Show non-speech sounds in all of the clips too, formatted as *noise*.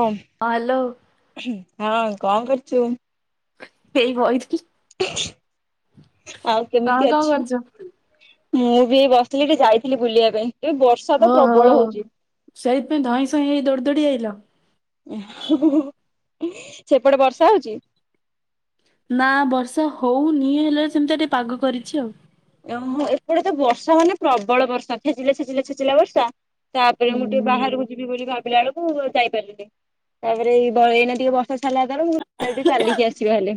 ହମ। Hello. ହଁ କଣ କରୁଛୁ? ଏଇ ବଇଥିଲି। ଆଉ ତମେ କେମିତି କଣ ଅଛୁ? କରୁଛ? ମୁଁ, ବି ଏଇ ବସିଥିଲି ଟିକେ ଯାଇଥିଲି ବୁଲିବା ପାଇଁ। ଏ ବର୍ଷା ତ ଓହୋ ପ୍ରବଳ ହଉଛି। ସେଇଥିପାଇଁ ଧଇଁ ସଇଁ ହେଇ ଦୌଡ଼ି ଦୌଡ଼ି ଆଇଲ। ସେପଟେ ବର୍ଷା ହଉଛି? ନା ବର୍ଷା ହୋଉନି ହେଲେ ସେମିତିଆ ଟିକେ ପାଗ କରିଛି ଆଉ। ଓହୋ ଏପଟେ ତ ବର୍ଷା ମାନେ ପ୍ରବଳ ବର୍ଷା ଛେଚିଲା, ଛେଚିଲା, ଛେଚିଲା ବର୍ଷା, ତାପରେ ମୁଁ ଟିକେ ହୁଁ ବାହାରକୁ ଯିବି ବୋଲି ଭାବିଲା ବେଳକୁ ଯାଇପାରିଲିନି। ତାପରେ ଏଇ ବ ଏଇନା ଟିକେ ବ ର୍ଷା ଛାଡ଼ିଲା ଯେତେବେଳୁ ମୁଁ କହିଲି ଚାଲିକି ଆସିବା ହେଲେ।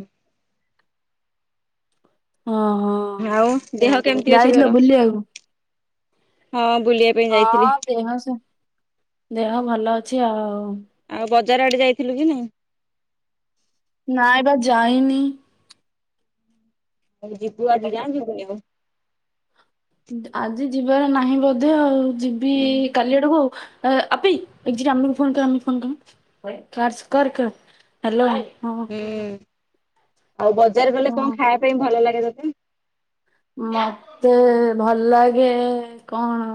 ହଁ ହଁ। ଆଉ ଦେହ କେମିତି ଅଛି ତୋର? ହଁ ବୁଲିବା ପାଇଁ ଯାଇଥିଲି ହଁ, ଦେହ ସେ ଦେହ ଭଲ ଅଛି ଆଉ। ଆଉ ବଜାର ଆଡେ ଯାଇଥିଲୁ କି ନାଇଁ? ନାଇଁ ବା ଯାଇନି। ଆଉ ଯିବୁ ଆଜି ଯା ଯିବୁନି ମୁଁ। ଆଜି ଯିବାର ନାହିଁ ବୋଧେ ଆଉ। ଯିବି କାଲି ଆଡକୁ ଆଉ ଆବେ *unintelligible* ହ୍ୟାଲୋ। ହୁଁ, ଆଉ ବଜାର ଗଲେ ହଁ। କଣ ଖାଇବା ପାଇଁ ଭଲ ଲାଗେ ତତେ? ମତେ ଭଲ ଲାଗେ କଣ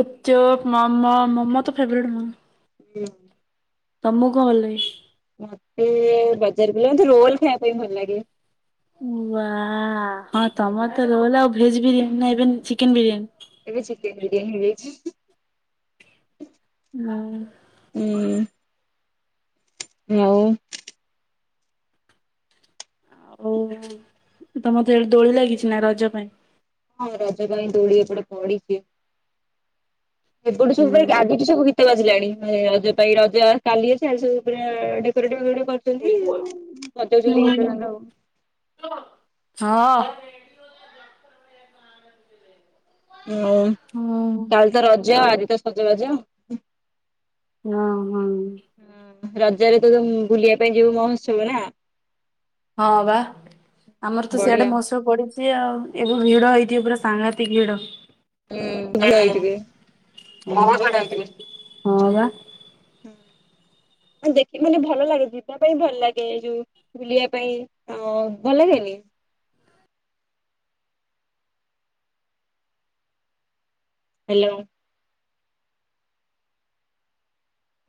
ଗୁପଚୁପ୍, ମୋମୋ ମୋମୋ ତ ଫେବରେଟ୍ ମୋ ହୁଁ। ତମକୁ କଁ ଭଲ ଲାଗେ? ମତେ ବଜାର କୁ ଗଲେ ମତେ ରୋଲ ଖାଇବା ପାଇଁ ଭଲ ଲାଗେ। ଉଁ ୱା ହ ହୁଁ ହୁଁ। ତମର ତ ରୋଲ ଆଉ ଭେଜ ବିରିୟାନୀ ନା ଏବେ ଚିକେନ ବିରିୟାନି? ଏବେ ଚିକେନ ବିରିୟାନ ହେଇଯାଇଛି। ନୋ ହୁଁ। ହଉ। ହଉ ତମର ତାହେଲେ ଦୋଳି ଲାଗିଛି ନା ରଜ ପାଇଁ? ହଁ ରଜ ପାଇଁ ଦୋଳି ଏପଟେ ପଡିଛି। ଏପଟୁ ହୁଁ ସବୁ ଭାଇ ଆଜିଠୁ ସବୁ କି ଗୋଟେ ବାଜିଲାଣି ରଜ ପାଇଁ ରଜ କାଲି ଅଛି। ଆଜି ସବୁ ପୁରା ଡେକୋରେଟ୍ ଫେକୋରେଟ କରୁଛୁ। *unintelligible* ହଁ ବଜଉଚନ୍ତି ଗୀତ ହୁଁ ତାଙ୍କର ଆଉ। ହଁ। *unintelligible* ହଁ। କାଲି ତ ରଜ ଆଜି ତ ସଜବାଜ। ନ ହଁ। ହଁ ରଜରେ ତୁ ବୁଲିବା ପାଇଁ ଯିବୁ ମହୋତ୍ସବ ନା। ହଁ ବା ଆମର ତ ବଢିଆ। ସିଆଡେ ମହୋସ ପଡିଛି ଆଉ ଏବେ ଭିଡ ହେଇଥିବ ପୁରା ସାଂଘାତିକ ଭିଡ। ହୁଁ ଭଲ ହେଇଥିବେ। ହଁ ବା। ହୁଁ ଦେଖି ମାନେ ଭଲ ଲାଗେ ଯିବା ପାଇଁ ଭଲ ଲାଗେ ଏଇ ଯୋଉ। ବୁଲିବା ପାଇଁ ଅ ଭଲ ଲାଗେନି? ହେଲୋ।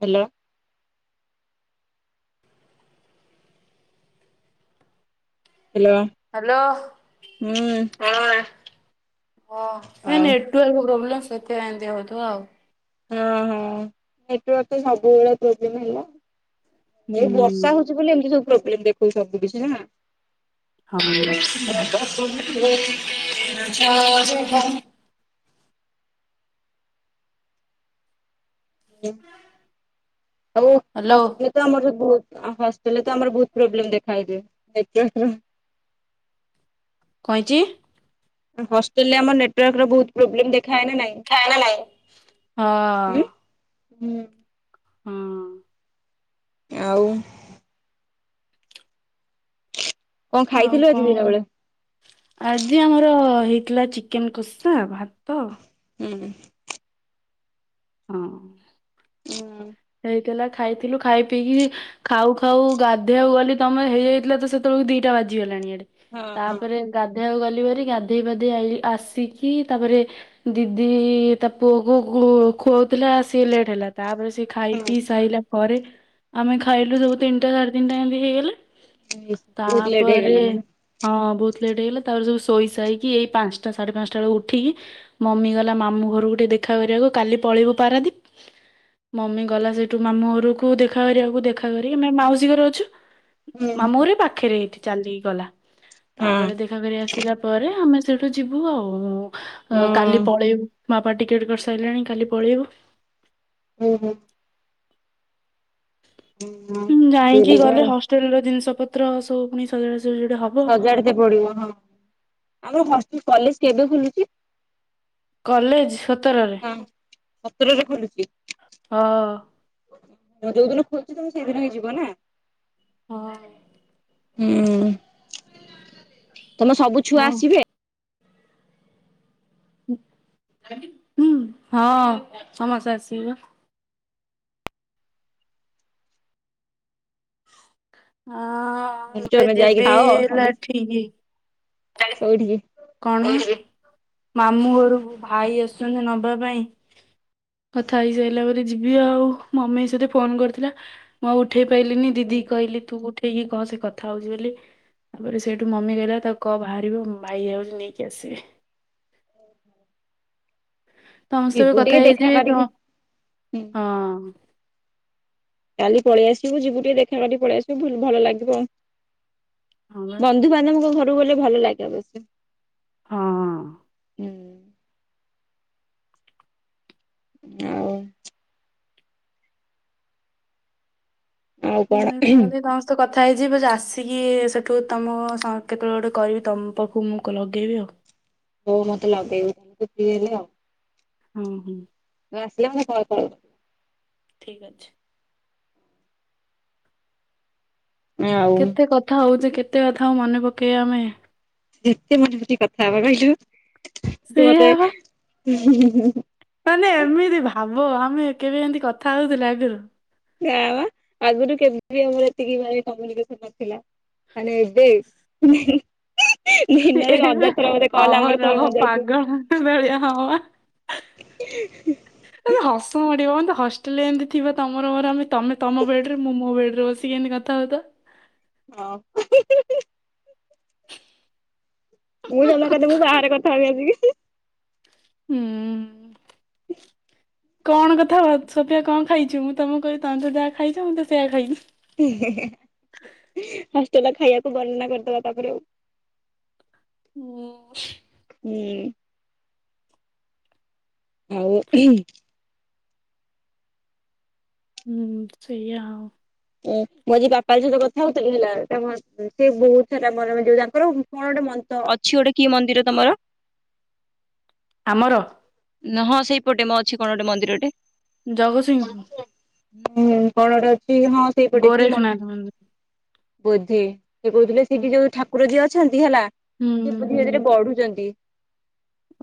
ହେଲୋ। ହେଲୋ। ହାଲୋ ହଁ ହଁ ଏ ଆଉ ନେଟ୍ ଟୁୱେଲଭ ପ୍ରୋବ୍ଲମ ସେଥିପାଇଁ ଏମିତି ହଉଥିବ ଆଉ। ହଁ ହଁ ନେଟୱାର୍କ ତ ସବୁବେଳେ ପ୍ରୋବ୍ଲେମ ହେଲା। ଏଇ ହୁଁ ବର୍ଷା ହଉଛି ବୋଲି ଏମିତି ସବୁ ପ୍ରୋବ୍ଲେମ ଦେଖଉଛି ସବୁ କିଛି ନା। *unintelligible* ଆଉ ହ୍ୟାଲୋ *inaudible* ତ ଆମର ବହୁ ହଷ୍ଟେଲରେ ଆମରତ ବହୁତ ପ୍ରୋବ୍ଲେମ ଦେଖାଇ ଦିଏ ନେଟୱର୍କର। କଣ ହେଇଚି? ହଷ୍ଟେଲ ରେ ଆମର ନେଟୱାର୍କ ର ବହୁତ ପ୍ରୋବଲେମ୍ ଦେଖାଏ ନା ନାଇଁ। ଥାଏ ନା ନାଇଁ? ହଁ। ହୁଁ। ହୁଁ। ହଁ। ଆଉ କଣ ଆଉ ଖାଇଥିଲୁ ଆଜି ଦିନ କଣ। ବେଳେ? ଆଜି ଆମର ହେଇଥିଲା ଚିକେନ କଷା ଭାତ। ଉଁ ହୁଁ। ହଁ। ଉଁ ହେଇଥିଲା ଖାଇଥିଲୁ ଖାଇ ପିଇକି ଖାଉ ଖାଉ ଗାଧେଇବାକୁ ଗଲି ତମେ ହେଇଯାଇଥିଲା ତ ସେତେବେଳକୁ ଦିଟା ବାଜିଗଲାଣି ଇଆଡେ। ହଁ ହଁ ତାପରେ ଗାଧେଇବାକୁ ଗଲିି ଭାରି ଗାଧେଇ ପାଧେଇ ଆଇଲି ଆସିକି ତାପରେ ଦିଦି ତା ପୁଅ କୁ ଖୁ ଖୁଆଉଥିଲା ସିଏ ଲେଟ୍ ହେଲା ତାପରେ ସେ ଖାଇ ହଁ। ପିଇ ସାଇଲା ପରେ ଆମେ ଖାଇଲୁ ସବୁ ତିନିଟା ସାଢେ ତିନିଟା ଏମିତି ହେଇଗଲା। ବହୁତ ଲେଟ୍ ତାପରେ ହେଇଗଲାଣି। ହଁ ବହୁତ ଲେଟ୍ ହେଇଗଲା ତାପରେ ସବୁ ଶୋଇସାଇକି ଏଇ ପାଞ୍ଚଟା ସାଢେ ପାଞ୍ଚଟା ବେଳକୁ ଉଠିକି। ମମି ଗଲା ମାମୁଁ ଘରକୁ ଟିକେ ଦେଖା କରିବାକୁ କାଲି ପଳେଇବୁ ପାରାଦୀପ। ମମି ଗଲା ସେଇଠୁ ମାମୁଁ ଘରକୁ ଦେଖା କରିବାକୁ ଦେଖା କରି ଆମେ ମାଉସୀ ଘରେ ଅଛୁ। ମାମୁଁ ଘର ଏଇ ପାଖରେ ଏଇଠି ଚାଲିକି ଗଲା ହଁ। ତାପରେ ଦେଖ ତାପରେ ଆସିଲା ପରେ ଆମେ ସେଇଠୁ ଯିବୁ ଆଉ କାଲି ହୁଁ ପଳେଇବୁ। ମାପା ଟିକେଟ୍ କରିସାରିଲେଣି କାଲି ପଳେଇବୁ। ହୁଁ ହୁଁ ହୁଁ ଯାଇକି ବୁଲିବା ଗଲେ ଆଉ ହଷ୍ଟେଲ୍ ର ଜିନିଷ ପତ୍ର ସବୁ ପୁଣି ସଜଡା ସଜଡି ହବ। ସଜାଡିତେ ପଡିବ ହଁ ଆମର ହଷ୍ଟେଲ୍ କଲେଜ୍ କେବେ ଖେଲୁଚି? କଲେଜ୍ ସତରରେ। ସତରରେ ଖୋଲୁଚି। ହଁ। ଯୋଉ ଦିନ ଖୋଲୁଚି ତମେ ସେଇଦିନ ହିଁ ଯିବ ନା? ହଁ। ହୁଁ ତମ ସବୁ ଛୁଆ ହଁ ଆସିବେ? ହଁ ସମସ୍ତେ ଆସିବେ ବା। ହଁ ଏବେ ତମେ ଯାଇକି ଯିବି ଥାଅ ହେଲା ଠିକି। କୋଉଠିକି? କଣ ହେଇଚି ମାମୁଁ ଘରକୁ ଭାଇ ଆସୁଛନ୍ତି ନବା ପାଇଁ। କଥା ହେଇସାରିଲା ପରେ ଯିବି ଆଉ ମମି ସହିରେ ଫୋନ କରିଥିଲା ମୁଁ ଆଉ ଗ ଉଠେଇ ପାଇଲିିନି ଦିଦି କହିଲି ତୁ ଉଠେଇ କି କହ ସେ କଥା ହଉଛି ବୋଲି ତାପରେ ସେଇଠୁ ମମି କିହିଲା ତାକୁ। କହ ବାହାରିବ ଭାଇ ଆଉଚି ନେଇକି ଆସିବେ। ହୁଁ ସମସ ବି କଥା ଦେଖା ହେଇଯାଇଥି ବି ତ କରିକି ହଁ। କାଲି ପଳେଇଆସିବୁ ଯିବୁ ଟିକେ ଦେଖା କରିକି ପଳେଇଆସୁ ଭୁଲ୍ ଭଲ ଲାଗିବ ଆଉ। ହଁ ବା ବନ୍ଧୁବାନ୍ଧବଙ୍କ ଘରୁକୁ ଗଲେ ଭଲ ଲାଗେ ଅବଶ୍ୟ। ହଁ ହୁଁ। ଆଉ। ଆଉ ଲେଟ୍ କଣ? ହେଲେ ବାସ୍। ତୁ କଥା ହେଇଯିବୁ ଆସିକି ସେଠୁ ତମ ସଂ କେତେବେଳେ ଗୋଟେ କରିବି ତମ ପାଖକୁ ମୁଁ ଲଗେଇବି ଆଉ। ହଉ ମତେ ଲଗେଇବୁ ଛୁଟି ହେଲେ ଆଉ। ହଁ ହୁଁ। ଇଏ ଆସିଲେ ମୁଁ କହିକି ପଳେଇବି। ଠିକ୍ ଅଛି। ଆଉ କେତେ କଥା ହଉଚେ କେତେ କଥାଆଉ ମନେ ପକେଇବା ଆମେ। ଯେତେ ମନେ ପକେଇକି କଥା ହେବା କହିଚୁ ତୁ ସେଇଆ ମତେ ବା ହୁଁ ହୁଁ ହୁଁ। ମାନେ ଏମିତି ଭାବ ଆମେ କେବେ ଏମିତି କଥା ହଉଥିଲେ ଆଗରୁ। ନା ପା ଆଗରୁ କେବେ ବି ଆମର ଏତିକି କମୁନିକେସନ ନଥିଲା ତାହାଲେ ଏ ବେ ଉଁ ହୁଁ। ସିଏ ଦିନରେ ହଜାରେ ଥର ବୋଧେ କଲ ଆମର ତୋର ମୋର ଯାଇଚୁ। ଏଭ ଳିଆ ହବପା। *inaudible* ହସ ମଡିବ ବନ୍ଧୁ ହଷ୍ଟେଲରେଏମିତି ଥିବ ତମର ମୋର ତମେ ତମ ବେଡ ରେ ମୁଁ ମୋ ବେଡ ରେ ବସିି ଟିକେ ଏମିତି କଥା ହଉ ତ। ହଁ। ମୁଁ ଜଲାକାଲି ମୁଁ ବାହାରେ କଥା ହେବି ଆସିକି। ହୁଁ ଉଁ। କଣ କଥା ହବ ସତରେ କଣ ଖାଇଛୁ ମୁଁ ତମକୁ କହିଲି ତମେ ତ ଯାହା ଖାଇଛ ମୁଁ ତ ସେୟଆ ଖାଇଚି। ହଷ୍ଟେଲ ଖାଇବାକୁ ବର୍ଣ୍ଣନା କରିଦେବା ତାପରେ ଆଉ। *inaudible* *inaudible* ହୁଁ। ଆଉ ହିମ୍। ହୁଁ ସେଇଆ। ଓ ମୋ ଯ ବାପା ସହିତ କଥା ହଉଥିଲି ହେଲା ତା ସେ ବହୁତ ସାରା ମନ ତାଙ୍କର କଣ ଗୋଟେ ମନ୍ତ ଅଛି ଗୋଟେ କିଏ ମନ୍ଦିର ତମର ଆମର ହଁ ସେଇପଟେ ମ ଅଛି କଣ ଗୋଟେ ମନ୍ଦିରଟେ ଜଗତସିଂହୁ ପୁର। ହଁ କଣଟେ ଅଛି ହଁ ସେଇପଟେ କି ମଠ ଗୋରେଖନାଥ ମନ୍ଦିର ବୋଧେ ସେ କହୁଥିଲେ ହୁଁ ସେଠି ଯୋଉ ଠାକୁର ଯିଏ ଅଛନ୍ତି ହେଲା ସେ ହୁଁ ହୁଁ ଧୀରେ ଧୀରେ ବଢୁଚନ୍ତି।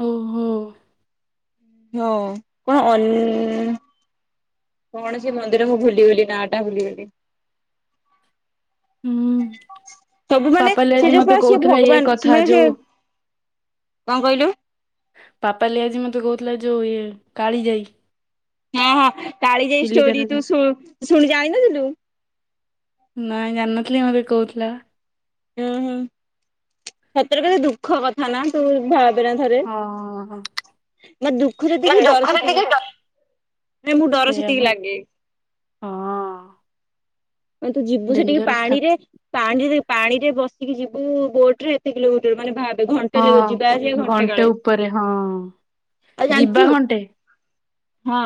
ଓହୋ। ହଁ କଣ ଅଲ୍‌ କଣ ସେ ମନ୍ଦିର ମୁଁ ଭୁଲିଗଲି ନା ଟା ଭୁଲିଗଲି। ହୁଁ। ସବୁ ମାନେ ପାପାଲି ସେ ଆଜି ମତେ ଯୋଉରେ ସ କହୁଥିଲା ଇଏ ଭଗବାନ କଥା ସେମାନେ ସେ ଯୋଉ କଣ କହିଲୁ? ପାପାଲି ଆଜି ମୋତେ କହୁଥିଲା ଯୋଉ ଇଏ କାଳିଜାଇ। ହଁ ହଁ କାଳିଜାଇ ଷ୍ଟୋରି ଚିଲିକାର ତୁ ଶୁ ଶୁଣି ଜାଣିିନଥିଲୁ। ନାଇଁ ଜାଣିନଥିଲି ମତେ କହୁଥିଲା ବା। ହୁଁ ହୁଁ ସତରେ କେତେ ଦୁଃଖ କଥା ନା ତୁ ଦ୍ଭା ବେଣା ଥରେ ହଁ। ମା ଦୁଃଖ ଯେତିକି ଡର ପୋଖରୀ ସେତିକି। ଟିକେ ଡ ନାଇଁ ମୁଁ ଡର ସେଇଆ ବା ସେତିକି ଲାଗେ ହଁ। ମାନେ ତୁ ଯିବୁ ସେଠିକି ଡେଞ୍ଜରସ୍ ଠା ପାଣିରେ ପାଣିରେ ପାଣିରେ ବସିକି ଯିବୁ ବୋଟ ରେ ଏତେ କିଲୋମିଟର ମାନେ ଭାବ୍ ଏ ଘଣ୍ଟେ ଯିବା ଆସିବା ହଁ ଘଣ୍ଟେ କାଳେ ଉପରେ ହଁ ଆଉ ଯିବା ଜାଣିଛୁ ଘଣ୍ଟେ ହଁ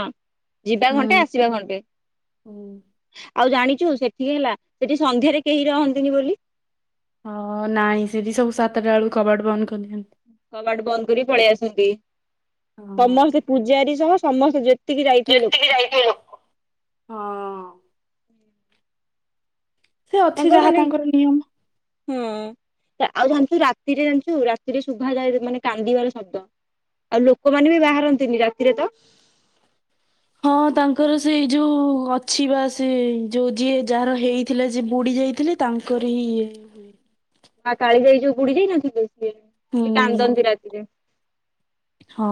ଯିବା ଘଣ୍ଟେ ହୁଁ। ଆସିବା ଘଣ୍ଟେ ଆଉ ଜାଣିଚୁ ସେଠିକି ହେଲା ସେଠି ସନ୍ଧ୍ୟାରେ କେହି ରହନ୍ତିନି ବୋଲି ହଁ ନାଇଁ ସେଠି ସବୁ ସାତଟା ବେଳକୁ କବାଟ ବନ୍ଦ କରିଦିଅନ୍ତି। କବାଟ ବନ୍ଦ କରି ପଳେଇ ଆସନ୍ତି ହଁ ସମସ୍ତେ ପୂଜାରୀ ସହ ସମସ୍ତେ। ଯେତିକି ଯାଇଥିବେ ଯେତିକି ଲୋକ। ଯାଇଥିଲୁ ହଁ ସେ ଅଛି ଯାହା ତାଙ୍କର ନିୟମ। ହୁଁ। ଆଉ ଜାଣିଛୁ ରାତିରେ ଜାଣିଛୁ ରାତିରେ ଶୁଭା ଯାଏ ମାନେ କାନ୍ଦିବାର ଶବ୍ଦ। ଆଉ ଲୋକମାନେ ବି ବାହାରନ୍ତିନି ରାତିରେ ତ। ହଁ ତାଙ୍କର ସେ ଯୋଉ ଅଛି ବା ସେ ଯୋଉ ଯିଏ ଯାହାର ହେଇ ଥିଲା ଯେ ବୁଡି ଯାଇଥିଲେ ତାଙ୍କର ହିଁ ଇଏ ମା କାଳି ଯାଇ ଯୋଉ ବୁଡି ଯାଇନଥିଲେ ସିଏ ହୁଁ ସେ କାନ୍ଦନ୍ତି ରାତିରେ। ହଁ।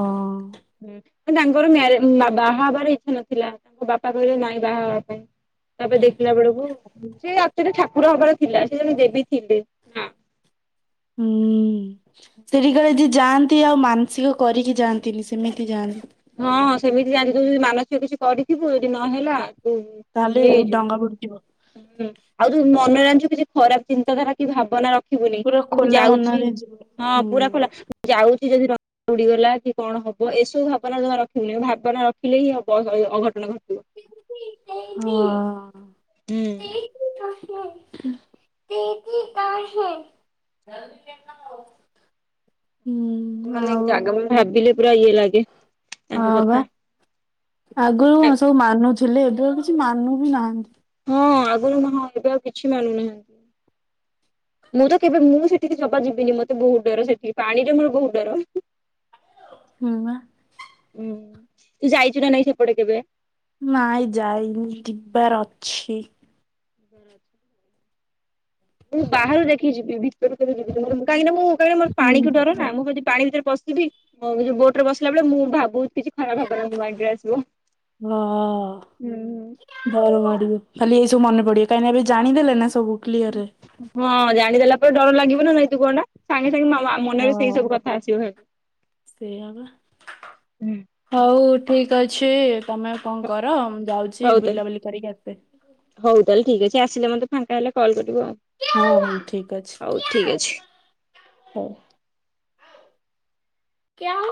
ଉଁ ତାଙ୍କର ମା ବାହା ହେବାର ଇଚ୍ଛା ନଥିଲା ତାଙ୍କ ବାପା କହିଲେ ନାଇଁ ବାହା ହେବା ପାଇଁ। ତାପରେ ଦେଖିଲା ବେଳକୁ ସେ ଆକ୍‌ଚ୍ବାଲିଠାକୁର ହବାର ଥିଲା ସେ ଜଣେ ଦେବୀ ଥିଲେ। ହୁଁ। ସେଠିକାଳେ ଯିଏ ଯାଆନ୍ତି ଆଉ ମାନସିକ କରିକି ଯାଆନ୍ତିନି ସେମିତି ଯାଆନ୍ତି। ହଁ ହଁ ସେମିତି ଯାଆନ୍ତି ଯଦି ମାନସିକ କିଛି କରିଥିବୁ ଯଦି ନହେଲା ହୁ ତାହେଲେ ନେଇେ ଯୋ ଡଙ୍ଗା ବୁଡିଯିବ *unintelligible* ହୁଁ ଆଉ ଯୋଉ ମନେରେଣିଛୁ କିଛି ଖରାପ ଚିନ୍ତାଧାରା କି ଭାବନା ର ଦେଖିବୁନି ପୁରା କି ମୁଁ ଖୋଲା ଯାଉଛି ମନରେ ଯିବ ହଁ ହୁଁ। ପୁରା ଖୋଲା ଯାଉଛି ଯଦି ଡଙ୍ଗା ବୁଡିଗଲା କି କଣ ହବ ଏସବୁ ଭାବ ଭାବନା ଜମା ରଖିବୁନି ଭାବନା ରଖିଲେ ହିଁ ଅ ଅଘଟଣ ଘଟିବ। ହଁ। *unintelligible* *unintelligible* ହୁଁ ମାନେ ଆଉ ଜାଗା ଭିଲି ପୁରା ଇଏ ଲାଗେ ହଁ ତାଙ୍କ ବା କଥା ଆଗରୁ ଆ କଣ ସବୁ ମାନୁଥିଲେ ଏବେ ଆଉ କିଛି ମାନୁ ବି ନାହାନ୍ତି। ହଁ ଆଗରୁ ମୁଁ ଏବେ ଆଉ କିଛି ମାନୁନାହାନ୍ତି। ମୁଁ ତ କେବେ ମୁଁ ସେଠିକି ଯବା ଯିବିନି ମତେ ବହୁତ ଡର ସେଠି ପାଣିରେ ମୋର ବହୁତ ଡର। *inaudible* ହୁଁ। ହୁଁ ତୁ ଯାଇଛୁ ନା ନାଇଁ ସେପଟେ କେବେ? ନାଇଁ ଯାଇନି ଯିବାର ଅଛି। ବର ଅଛ। ମୁଁ ବାହାରୁ ଦେଖିଚି ଭିତରୁ *unintelligible* ହୁଁ ପାଣିକୁ ଡର ନା ମୁଁ ଯଦି ପାଣି ଭିତରେ ପଶିବିଉ ବୋଟ ରେ ବସିଲା ବେଳେ ମୁଁ ଭାବୁଛି *unintelligible* ଭାବଗୁରା ମାଇଣ୍ଡ କୁ ଆସିବ। ଘର ମାଡିବ ଖାଲି ଏଇସବୁ ମନେ ପଡିବ କାହିଁକି ଏବେ ଜାଣିଦେଲେ ନା ସବୁ କ୍ଲିୟରରେ। ହଁ ଜାଣିଦେଲା ପରେ ଡର ଲାଗିବ ନା *unintelligible* ସାଙ୍ଗେ ସାଙ୍ଗେ ମୋ ମନରେ ସେଇ ସବୁ କଥା ଆସିବ। ସେଇ ହବ ହଉ ଠିକ ଅଛି ତମେ କଣ କର ମୁଁ ଯାଉଛି। ଅଛି ହଉ ତାହେଲେ ବୁଲାବୁଲି କରିକି *unintelligible* ହଉ ତାହେଲେ ଠିକ ଅଛିସିଲେ ମତେ ଫା ହେଲେ କଲ୍ କରିବ ଆଉ। ହଉ ଠିକ ଅଛି, ହଉ ଠିକ୍ ଅଛି ହଉ। କ୍ୟା